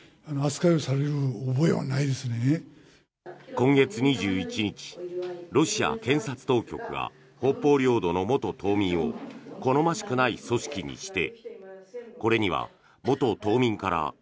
今月２１日、ロシア検察当局が北方領土の元島民を好ましくない組織に指定。